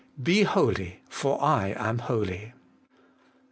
BE HOLY, FOR I AM HOLY.